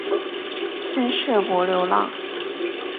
昆士柏流浪